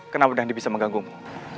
kenapa nandi bisa mengganggumu